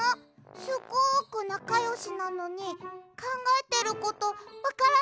すごくなかよしなのにかんがえてることわからなかったの？